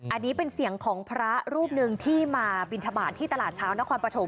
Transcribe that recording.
อันนี้เป็นเสียงของพระรูปหนึ่งที่มาบินทบาทที่ตลาดเช้านครปฐม